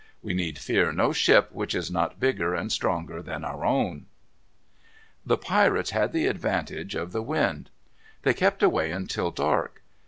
We need fear no ship which is not bigger and stronger than our own." The pirates had the advantage of the wind. They kept away until dark.